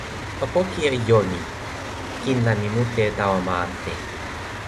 o poki e jo mi. kin la mi mute o tawa ma ante.